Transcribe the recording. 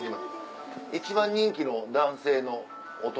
一番人気の男性の大人。